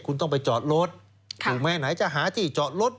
คุณต้องไปจอดรถถูกไหมไหนจะหาที่จอดรถ